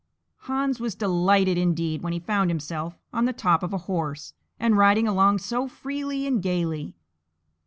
'" Hans was delighted indeed when he found himself on the top of a horse, and riding along so freely and gaily.